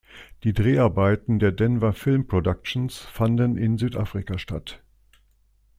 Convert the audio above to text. Die Dreharbeiten der Denver Film Productions fanden in Südafrika statt.